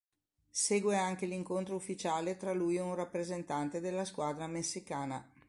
Segue anche l'incontro ufficiale tra lui e un rappresentante della squadra messicana.